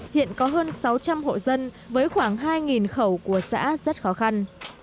hiện có hơn sáu trăm linh hộ dân với khoảng hai khẩu của xã rất khó khăn